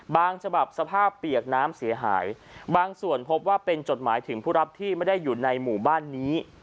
ฉบับสภาพเปียกน้ำเสียหายบางส่วนพบว่าเป็นจดหมายถึงผู้รับที่ไม่ได้อยู่ในหมู่บ้านนี้